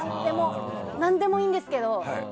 何でもいいんですけど。